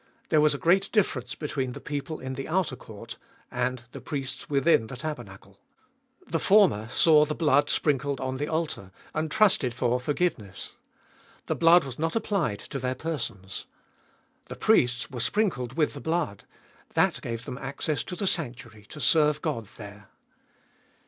There was a great difference between the people in the outer court and the priests within the taber nacle. The former saw the blood sprinkled on the altar, and trusted for forgiveness ; the blood was not applied to their persons. The priests were sprinkled with the blood ; that gave them access to the sanctuary to serve God there.